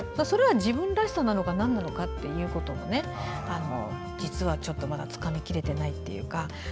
それは「自分らしさ」なのかなんなのかっていうことも実はちょっとまだつかみきれてないというか。